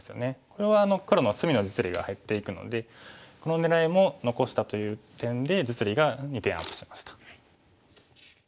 これは黒の隅の実利が減っていくのでこの狙いも残したという点で実利が２点アップしました。